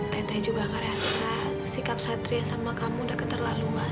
teteh juga ngerasa sikap satria sama kamu udah keterlaluan